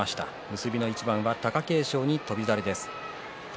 結びの一番は貴景勝に翔猿です。